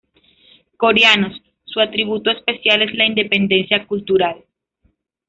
Coreanos: Su atributo especial es la independencia cultural.